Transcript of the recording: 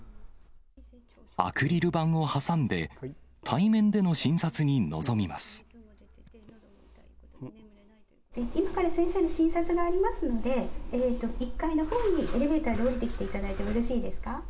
アクリル板を挟んで、対面で今から先生の診察がありますので、１階のほうにエレベーターで降りてきていただいてもいいですか。